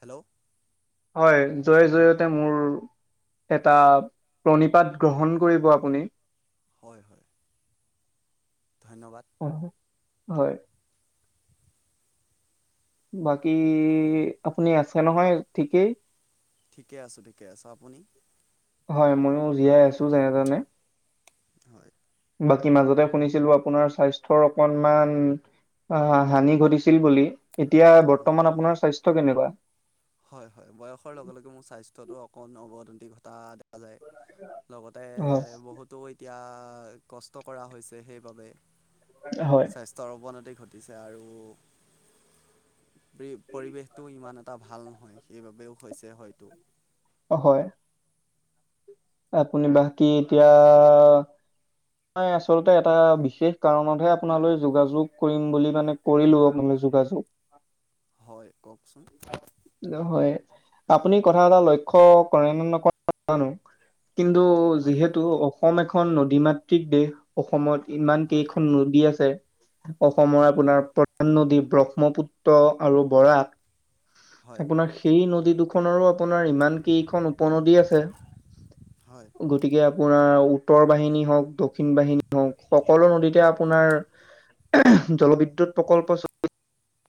Hello? হয় জয় জয়তে মোৰ এটা প্ৰণিপাত গ্ৰহণ কৰিব আপুনি। হয় হয়। ধন্যবাদ। অহ, হয়। বাকী আপুনি আছে নহয় ঠিকেই? ঠিকে আছো ঠিকে আছো, আপুনি? হয় মইয়ো জীয়াই আছো যেনে তেনে। হয় বাকী মাজতে শুনিছিলো আপোনাৰ স্বাস্থ্যৰ অকনমান অ হানি ঘটিছিল বুলি, এতিয়া অঁ বৰ্তমান আপোনাৰ স্বাস্থ্য কেনেকুৱা? হয় হয় বয়সৰ লগে লগে মোৰ স্বাস্থ্যটো অকণমান অৱদতি ঘটা দেখা যায়। লগতে হয় বহুতো এতিয়া কষ্ট কৰা হৈছে সেইবাবে। হয় সৰৱনতি ঘটিছে আৰু পৰিৱেশটো ইমান এটা ভাল নহয় সেইবাবেও হৈছে হয়তো অ হয় আপুনি বাকী এতিয়া মই আচলতে এটা বিশেষ কাৰণতহে আপোনালৈ যোগাযোগ কৰিম বুলি মানে কৰিলো আপোনালৈ যোগাযোগ হয় কওকচোন। হয় আপুনি কথা এটা লক্ষ্য কৰে নে নকৰে নাজানো কিন্তু হয় যিহেতু অসম এখন নদী মাতৃক দেশ অসমত ইমান হয় কেইখন নদী আছে অসমৰ হয় আপোনাৰ দুখন নদী ব্ৰহ্মপুত্ৰ আৰু বৰাইক। হয় আপোনাৰ সেই নদী দুখনৰো আপোনাৰ ইমান কেইখন উপ নদী আছে হয় গ তিকে আপোনাৰ উত্তৰ বাহিনী হওক দক্ষিণ বাহিনী হওক সকলো নদীতে আপোনাৰ জলবিদ্যুৎ প্ৰকল্প চলি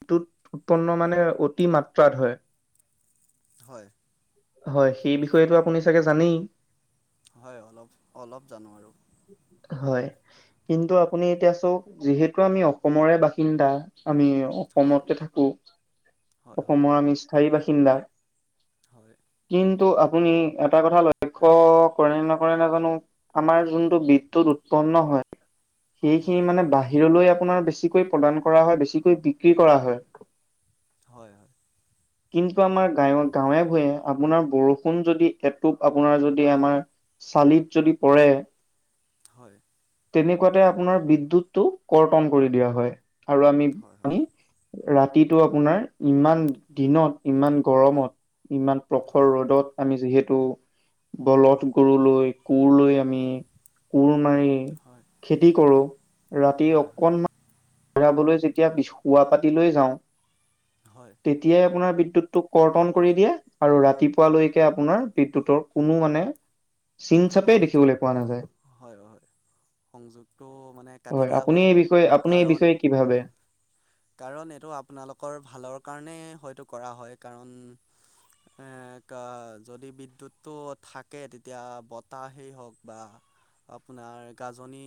যিটোত উৎপন্ন মানে অতি মাত্ৰাত হয়। হয়। হয় সেই বিষয়েতো আপুনি চাগে জানেই? হয় অলপ, অলপ জানো আৰু। হয়। কিন্তু আপুনি এতিয়া চাওক যিহেতু আমি অসমৰে বাসিন্দা আমি হয় অসমতে থাকো হয় হয় অসমৰ আমি স্থায়ী বাসিন্দা হয়। কিন্তু আপুনি এটা কথা লক্ষ্য কৰে নকৰে নাজানো আমাৰ যোনটো বিদ্যুৎ উৎপন্ন হয় সেইখিনি হয় মানে বাহিৰলৈ আপোনাৰ বেছিকৈ প্ৰদান কৰা হয় বেছিকৈ বিক্ৰী কৰা হয়। হয় হয়। কিন্তু আমাৰ গাঁৱে গাঁৱে ভূঞে আপোনাৰ বৰষুণ যদি এটোপ আপোনাৰ যদি আমাৰ চালিত যদি পৰে হয় তেনেকুৱাতে আপোনাৰ বিদ্যুৎটো কৰ্তন কৰি দিয়া হয়, আৰু আমি হয় হয় আমি ৰাতিটো আপোনাৰ ইমান দিনত ইমান গৰমত ইমান হয় প্ৰসৰ ৰদত আমি যিহেতু বলধ গৰু লৈ কুৰ লৈ আমি কুৰ মাৰি হয় খেতি কৰো ৰাতি হয় হয় অকনমান জিৰাবলৈ যেতিয়া শুৱা পাতিলৈ যাওঁ হয় তেতিয়াই আপোনাৰ বিদুতটোক কৰ্তন কৰি দিয়ে আৰু ৰাতিপুৱালৈকে আপোনাৰ বিদ্যুৎৰ কোনো মানে চিন চাপেই সংযোগ দেখিবলৈ পোৱা নাযায়। হয় হয় সংযোগটো মানে কাটি দিয়া আপুনি হয়, এই বিষয়ে আপুনি এই কাৰণ বিষয়ে কি ভাবে? কাৰণ এইটো আপোনালোকৰ ভালৰ কাৰণে হয়তো কৰা হয়, কাৰণ এ ক যদি বিদ্যুতটো থাকে তেতিয়া বতাহেই হওক বা আপোনাৰ গাজনি,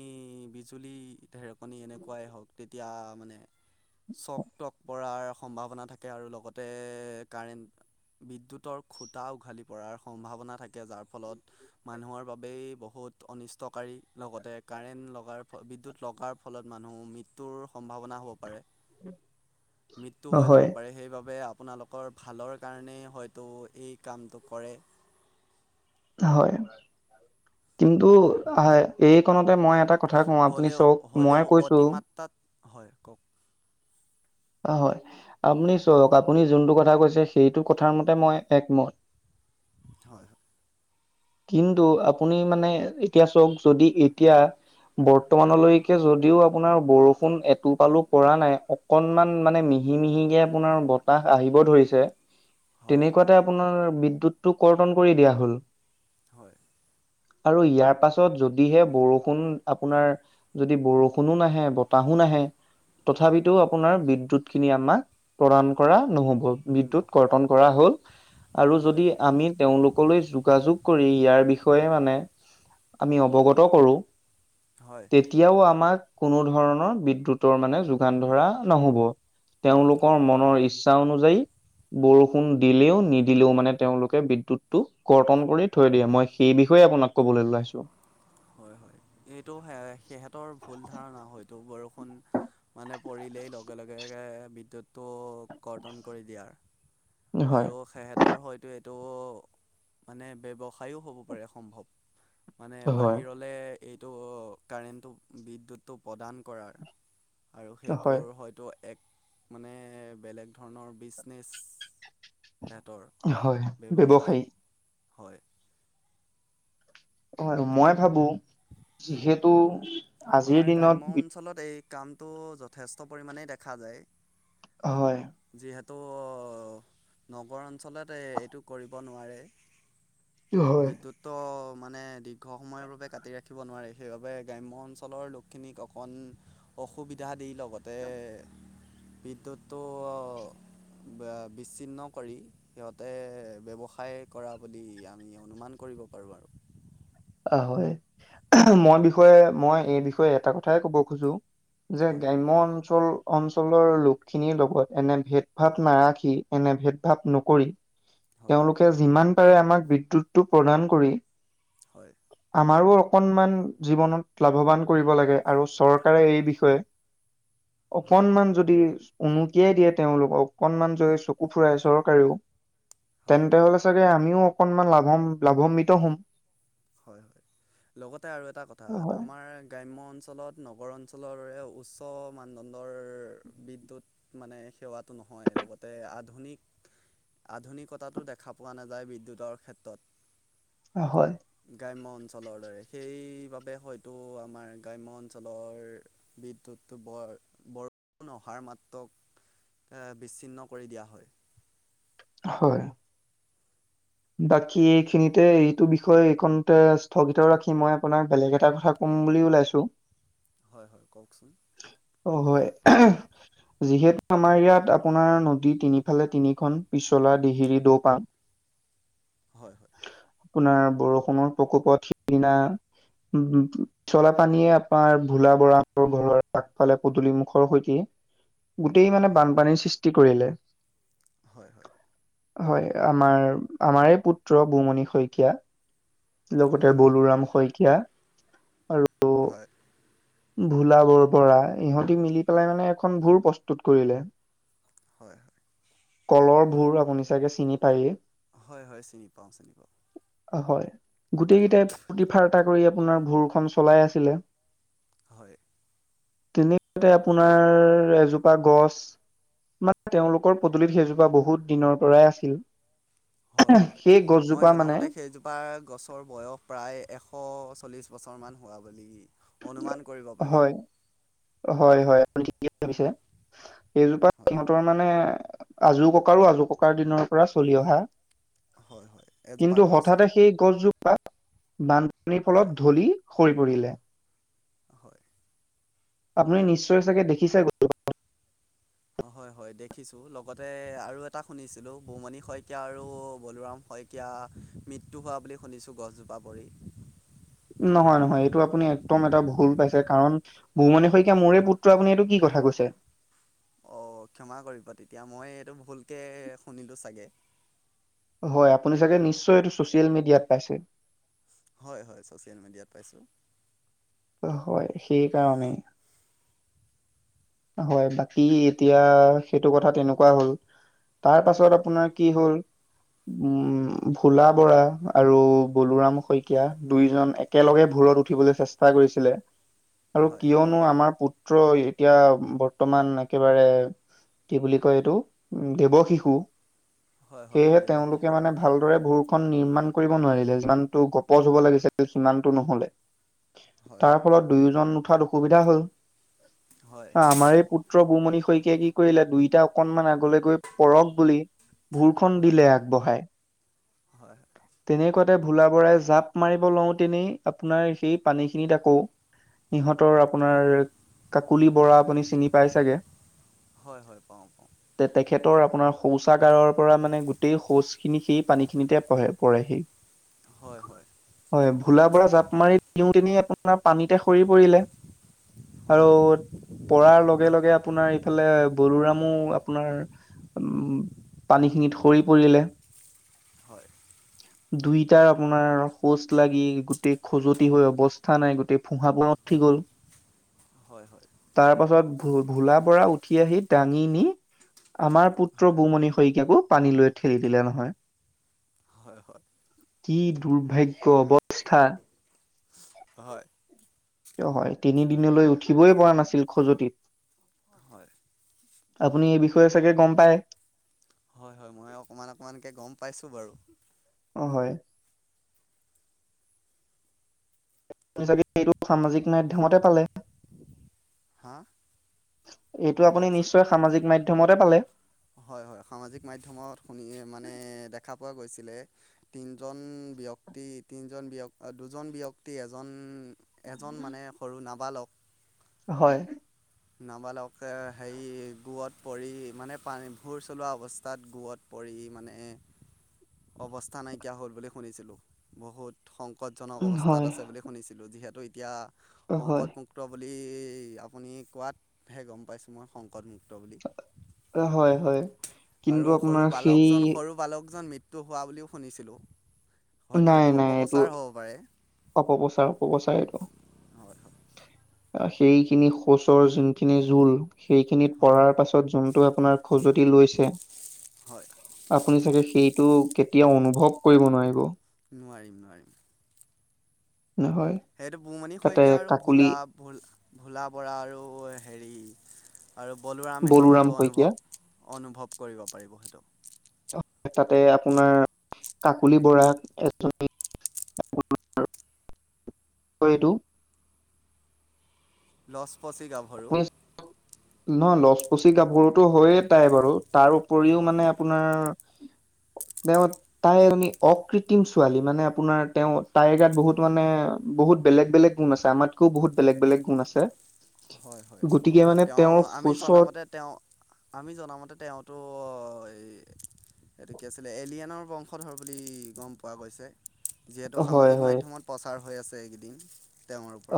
বিজুলী, ঢেৰকনি এনেকুৱাই হওক তেতিয়া মানে চক টক পৰাৰ সম্ভাৱনা থাকে, আৰু লগতে কাৰেণ্ট বিদ্যুতৰ খুটা উঘালি পৰাৰ সম্ভাৱনা থাকে যাৰ ফলত মানুহৰ বাবেই বহুত অনিষ্টকাৰী লগতে কাৰেণ্ট লগাৰ বিদ্যুৎ লগাৰ ফলত মানুহ মৃত্যুৰ সম্ভাৱনা হ'ব পাৰে। মৃত্যু হৈ যাব হয় পাৰে সেইবাবে আপ আপোনালোকৰ ভালৰ কাৰণেই হয়তো এই কামটো কৰে। হয় কিন্তু এইকণতে মই এটা কথা কওঁ আপুনি হ'লেও চাওক মই হ'লেও কৈছোঁ অতিমাত্ৰাত, হয় কওক। হয়, আপুনি চওক আপুনি যোনটো কথা কৈছে সেইটো কথাৰ মতে মই একমত। হয়। কিন্তু আপুনি মানে এতিয়া চওক যদি এতিয়া বৰ্তমানলৈকে যদিও আপোনাৰ বৰষুণ এটোপালো পৰা নাই অকনমান মানে মিহি-মিহিকে আপোনাৰ বতাহ আহিব ধৰিছে, হয় তেনেকুৱাত তে আপোনাৰ বিদ্যুতটো কৰ্তন কৰি দিয়া হল। হয়। আৰু ইয়াৰ পাছত যদিহে বৰষুণ আপোনাৰ যদি বৰষুণো নাহে বতাহো নাহে তথাপিতো আপোনাৰ বিদ্যুতখিনি আমাক প্ৰদান কৰা নহব। বিদ্যুত নহয় কৰ্তন কৰা হ'ল, আৰু হয় যদি আমি তেওঁলোক কলৈ যোগাযোগ কৰি ইয়াৰ বিষয়ে মানে আমি অৱগত কৰো হয়। এতিয়াও আমাক কোনো ধৰণৰ বিদ্যুতৰ মানে যোগান ধৰা নহ'ব। তেওঁলোকৰ হয় মনৰ ইচ্ছা অনুযায়ী বৰ ষুণ দিলেও নিদিলেও মানে তেওঁলোকে বিদ্যুৎটো কৰ্তন কৰি থৈ দিয়ে, মই সেই বিষয়ে আপোনাক ক'বলে ওলাইছো। হয় হয়, এইটো সিহঁতৰ ভুল ধাৰণা হয়টো বৰষুণ মানে পৰিলেই লগে লগে বিদ্যুতটো কৰ্তন কৰি দিয়াৰ। আৰু হয়, সিহঁতৰ হয়তো এইটো মানে ব্যৱসায়ো হ'ব পাৰে সম্ভৱ। মানে হয়, বাহিৰলে এইটো কাৰেণ্টটো বিদ্যুৎটো প্ৰদান কৰাৰ। আৰু হয়, সেইটোৰ হয়তো এক মানে বেলেগ ধৰনৰ বিজনেছ হেতৰ হয়, ব্যৱসায় ব্যৱসায়ী হয়। মই ভাবো যিহেতু আজিৰ আমাৰ দিনত গ্ৰাম্য বি- অঞ্চলত এই কামটো যথেষ্ট পৰিমাণেই দেখা যায়। হয়। যিহেতু নগৰ অঞ্চলতে এইটো কৰিব নোৱাৰে। হয়, বিদ্যুতটো মানে দীৰ্ঘ সময়ৰ বাবে কাটি ৰাখিব নোৱাৰে, সেইবাবে গ্ৰাম্য অঞ্চ ঞ্চলৰ লোকখিনিক অকণ অসুবিধা দি লগতে বিদ্যুৎটো ব বিচ্ছিন্ন কৰি সিহঁতে ব্যৱসায় কৰা বুলি আমি অনুমান কৰিব পাৰোঁ আৰু। অ' হয়, মই বিষয়ে মই এই বিষয়ে এটা কথাই কব খোজো। যে হয় গ্ৰাম্য অঞ্চল অঞ্চলৰ লোকখিনিৰ লগত এনে ভেদভাৱ নাৰাখি, এনে ভেদভাৱ নকৰি। [inaudible] তেওঁলোকে যিমান পাৰে, আমাক বিদ্যুতটো প্ৰদান কৰি হয়'। আমাৰো অকনমান জীৱনত লাভৱান কৰিব লাগে, আৰু চৰকাৰে এই বিষয়ে [inaudible] হয় অকনমান যদি উমুকিয়াই দিয়ে তেওঁলোকক, অকনমান যদি চকু ফুৰাই চৰকাৰেও, হয় তেন্তেহলে চাগে আমিও অকনমান লাভম, লাভন্বিত হম। হয়', হয়', লগতে আৰু এটা কথা, হয় আমাৰ গ্ৰাম্য অঞ্চলত, নগৰ অঞ্চলৰৰে উচ্চ মানদণ্ডৰ বিদ্যুৎ মানে সেৱাটো নহয়, লগতে আধুনিক আধুনিকতাটো দেখা পোৱা নাযায়, বিদ্যুতৰ ক্ষেত্ৰত। হয়। গ্ৰাম্য অঞ্চলৰ দৰে, সেইবাবে হয়তো আমাৰ গ্ৰাম্য অঞ্চলৰ বিদ্যুৎটো বৰ, বৰষুণ অহাৰ মাত্ৰক বিচ্ছিন্ন কৰি দিয়া হয়। হয়। বাকী এইখিনিতে এইটো বিষয়ে এইকণতে স্থগিত ৰাখি মই আপোনাক বেলেগ এটা কথা কম বুলি ওলাইছো। হয়', হয়', কওঁকচোন? অ', হয়। যিহেতু আমাৰ ইয়াত আপোনাৰ নদী তিনিফালে তিনিখন পিছলা, দিহিৰি, দৌপাং। হয়', হয়'। আপোনাৰ বৰষুণৰ প্ৰকোপত সিদিনা, উম' পানীয়ে আমাৰ ভোলা বৰাহঁতৰ ঘৰৰ আগফালে পদূলি মুখৰ সৈতে গোটেই মানে হয় বানপানীৰ সৃষ্টি কৰিলে। হয়', হয়'। হয়', আমাৰ, আমাৰে পুত্ৰ বুমণি শইকীয়া। লগতে হয় হয় বলোৰাম শইকীয়া, আৰু হয়'। ভোলাবৰ বৰা, ইহঁতি মিলি পেলাই মানে, এখন ভুৰ প্ৰস্তুত কৰিলে। হয়', হয়'। কলৰ ভোৰ আপুনি চাগে চিনি পায়েই? হয়', হয়', চিনি পাওঁ, চিনি পাওঁ। হয়'। গোটেই কেইটাই ফূৰ্তি ফাৰ্তা কৰি, আপোনাৰ ভোৰখন চলাই আছিলে। হয়'। তেনেতে আপোনাৰ এজোপা গছ মানে তেওঁলোকৰ পদূলিত, সেইজোপা বহুত দিনৰ পৰাই আছিল। হয়', হয়', সেই মই গছজোপা মানে জনামতে সেইযো তাৰ গছৰ বয়স প্ৰায়, এশ চল্লিছ বছৰমান হোৱা বুলি অনুমান কৰিব পাৰি। হয় হয়, হয়, আপুনি ঠিকেই ভাবিছে! সেইজোপা হয় সিহঁতৰ মানে, আজো-ককাৰো, আজো-ককাৰ দিনৰ পৰা চলি অহা। হয় হয় এজোপা কিন্তু, গছ হঠাতে আৰু সেই গছজোপা, বানপানীৰ হয় ফলত ঢলি সৰি পৰিলে। হয়। আপুনি নিশ্চয় চাগে দেখিছেই? [unintelligible] অ'! হয়, হয়, দেখিছোঁ। লগতে আৰু এটা শুনিছিলোঁ, বুমনি শইকীয়া আৰু বলোৰাম শই কীয়া মৃত্যু হোৱা বুলি শুনিছোঁ, গছজোপা পৰি। নহয়, নহয়। এইটো আপুনি একদম এটা ভুল পাইছে। কাৰণ, বুমনি শইকীয়া মোৰে, পুত্ৰ। আপুনি এইটো কি কথা কৈছে? অ'! ক্ষমা কৰিব তেতিয়া। মই এইটো ভুলকে শুনিলোঁ চাগে। হয়, আপুনি চাগে, নিশ্চয় এইটো, ছ'চিয়েল মিডিয়াত পাইছে। হয়, হয়, ছ'চিয়েল মিডিয়াত পাইছোঁ। হয়, সেইকাৰণে। হয়! বাকী এতিয়া, সেইটো কথা তেনেকুৱা হ'ল। তাৰপাছত হয় আপোনাৰ কি হ'ল! উম, ভোলা বৰা আৰু বলোৰাম শই কীয়া, দুইজন একেলগে ভোৰত উঠিবলৈ চেষ্টা কৰিছিলে। আৰু হয় কিয়নো আমাৰ পুত্ৰ এতিয়া, বৰ্তমান একেবাৰে, কি বুলি কয় এইটো? দেৱ শিশু। হয় হয় সেয়েহে দেৱশিশু তেওঁলোকে মানে, ভালদৰে ভোৰখন নিৰ্মাণ কৰিব নোৱাৰিলে, যিমানটো গপচ হ'ব লাগিছিলে, সিমানটো নহ'লে। হয় হয় তাৰফলত, দুয়োজন উঠাত অসুবিধা হ'ল। হয় আমাৰেই পুত্ৰ, বুমণি শইকীয়াই কি কৰিলে, দুইটা অকণমান আগলে গৈ পৰক বুলি, ভোৰখন হয় দিলে আগবঢ়াই। হয় তেনেকুৱাতে ভোলা বৰাই জাপ মাৰিব লওঁ, তেনেই, আপোনাৰ সেই পানীখিনিত আকৌ, সিহঁতৰ হয় আপোনাৰ, কাকলি বৰা আপুনি চিনি পাই চাগে? হয় হয় পাওঁ পাওঁ তে-তেখেতৰ আপোনাৰ, শৌচাগাৰৰ পৰা মানে, গোটেই শৌচ খিনি, সেই পানীখিনিতে পৰে-পৰেহি। হয়, হয়। হয়, ভোলা বৰা জাপ মাৰি দিওঁ, [unintelligible] আপোনাৰ, পানীতে সৰি পৰিলে। আৰু হয় পৰাৰ লগে-লগে আপোনাৰ, ইফালে বলোৰামো আপোনাৰ উম, পানীখিনিত সৰি পৰিলে। হয়! দুইটাৰ আপোনাৰ, শৌচ লাগি, গোটেই খজুৱতি হৈ অৱস্থা নাই, গোটেই ফোহা-ফোহা উঠি গ'ল। হয়, হয়। তাৰপাছত, ভো- ভোলা বৰা উঠি আহি, দাঙি নি, আমাৰ হয় পুত্ৰ হয় বুমণি শইকীয়াকো পানীলৈ ঠেলি দিলে নহয়। হয়, হয়। কি দুৰ্ভাগ্য অৱস্থা! হয়! হয়, তিনিদিনলৈ উঠিবই পৰা নাছিল, খজুৱতিত। হয়! আপুনি এই বিষয়ে চাগে গম পাই? হয়, হয়, মই অকমান-অকমানকে গম পাইছোঁ বাৰু। অ, হয়। আপুনি চাগে এইটো সামাজিক মাধ্যমতে পালে? হা এইটো আপুনি নিশ্চয় সামাজিক মাধ্যমতে পালে? হয়-হয় সামাজিক মাধ্যমত শুনি মানে দেখা পোৱা গৈছিলে। তিনিজন ব্যক্তি তিনিজন ব্য দুজন ব্যক্তি এজন এজন মানে সৰু নাবালক হয়। নাবালকে হেৰি গোৱত পৰি মানে পানী ভোৰ চলোৱা অৱস্থাত গোৱত পৰি মানে অৱস্থা নাইকিয়া হ'ল বুলি শুনিছিলোঁ। বহুত সংকটজনক উম, অৱস্থাত হয় আছে বুলি শুনিছিলোঁ যিহেতু এতিয়া হয় সংকট মোক মুক্ত বুলি আপুনি কোৱাত হে গম পাইছো মই সংকটমু ত বুলি হয় হয় আৰু কিন্তু সৰু আপোনাৰ সেই বালকজন, সৰু বালকজন মৃ ত্যু হোৱা বুলিও শুনিছিলোঁ। হয়তো নাই, সেইটো নাই এইটো অপপ্ৰচাৰ হ'ব পাৰে অপপ্ৰচাৰ হ'ব চাগে এইটো। হয় অ'সেইখিনি শৌচৰ যোনখিনি জোল সেইখিনিত হয় হয় পৰাৰ পাছত যোনটো আপোনাৰ খোজত লৈছে হয় আপুনি চাগে সেইটো কেতিয়াও অনুভৱ কৰিব নোৱাৰিব। নোৱাৰিম-নোৱাৰিম। নহয় সেইটো বুমনি তাতে শইকীয়া আৰু কাকুলি ভোলা ভ'ল ভোলা বৰা আৰু হেৰি আৰু বলোৰামেহে বলোৰাম সেইটো শইকীয়া অনুভৱ-অনুভৱ কৰিব পাৰিব সেইটো। তাতে আপোনাৰ কাকলি বৰা এজনী হয় এইটো লছপচি গাভৰু নহ লছপচি গাভোৰতো হয়ে তাই বাৰু তাৰ পৰিও হয় মানে আপোনাৰ তেও তাই [unintelligible] অকৃত্ৰিম ছোৱালী মানে আপোনাৰ তেওঁ তাইৰ গাত বহুত মানে বহুত বেলেগ-বেলেগ গুণ আছে আমাত কওঁ বহুত বেলেগ-বেলেগ গুণ আছে হয়-হয় গতিকে মানে তেওঁ তেওঁৰ আমি সুচত জনামতে তেওঁ আমি জনামতে তেওঁতো এই এইটো কি আছিলে এলিয়েনৰ বংশধৰ বুলি গ'ম পোৱা গৈছে। যিহেতু হয় সামাজিক হয় মাধ্যমত প্ৰচাৰ হৈ আছে একেদিন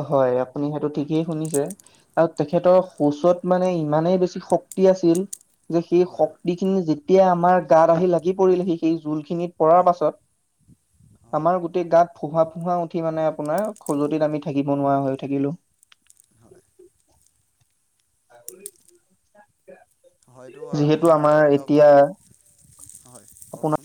অ, হয় আপুনি সেইটো ঠিকে শুনিছে। আৰু তেখেতৰ শৌচত মানে ইমানে বেছি শক্তি আছিল যে সেই হয় হয় শক্তি খিনি যেতিয়া আমাৰ গাত আহি লাগি পৰিল সি সেই জোল খিনি পৰা হয় পাছত হয় আমাৰ গোটে গাত ফোহা-ফোহা উঠি মানে আপোনাৰ খজতিত আমি থাকিব নোৱাৰা হৈ থাকিলোঁ। হয় [unintelligible] হয়তো যিহেতু আপোনাৰ আমাৰ লগত এতিয়া হয় আপোনাৰ কওক চোন?